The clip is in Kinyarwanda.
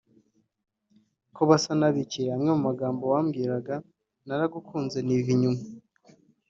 ko basa na bike Amwe mu magambo wambwiraga… Naragukunze niva inyuma